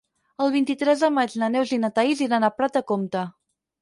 El vint-i-tres de maig na Neus i na Thaís iran a Prat de Comte.